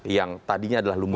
yang tadinya adalah lumus